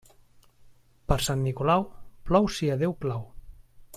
Per Sant Nicolau, plou si a Déu plau.